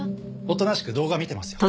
おとなしく動画見てますよ。